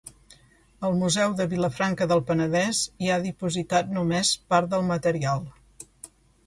Al Museu de Vilafranca del Penedès hi ha dipositat només part del material.